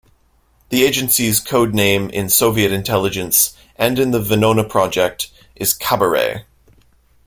The agency's code name in Soviet intelligence and in the Venona project is "Cabaret".